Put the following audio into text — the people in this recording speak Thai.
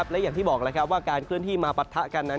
และอย่างที่บอกว่าการเคลื่อนที่มาปะทะกันนั้น